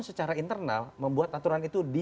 secara internal membuat aturan itu di